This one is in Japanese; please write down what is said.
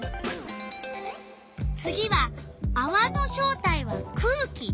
次は「あわの正体は空気」。